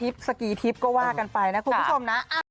สกีทิพย์ก็ว่ากันไปนะคุณผู้ชมนะ